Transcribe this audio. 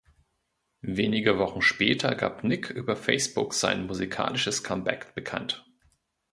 Wenige Wochen später gab Nic über Facebook sein musikalisches Comeback bekannt.